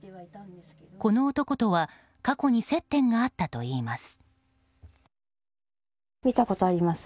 この男とは過去に接点があったといいます。